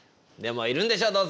でもいるんでしょ